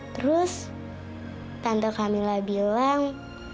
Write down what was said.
terus tante camilla bilang